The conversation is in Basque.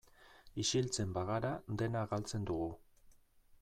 Isiltzen bagara dena galtzen dugu.